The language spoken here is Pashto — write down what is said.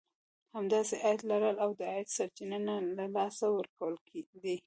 همداسې عايد لرل او د عايد سرچينه نه له لاسه ورکول دي.